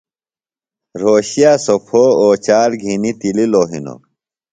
رھوشِیہ سوۡ پھو اوچال گھِنیۡ تِللوۡ ہنوۡ